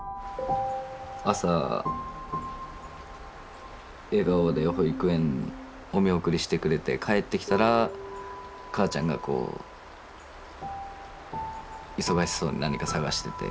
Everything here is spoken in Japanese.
朝笑顔で保育園お見送りしてくれて帰ってきたら母ちゃんがこう忙しそうに何か捜してて。